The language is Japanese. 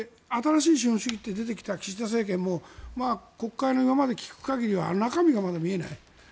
新しい資本主義といって出てきた岸田政権も国会の今まで聞く限りは中身がまだ見えない。